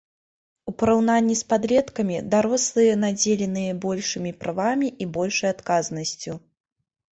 У параўнанні з падлеткамі, дарослыя надзеленыя большымі правамі і большай адказнасцю.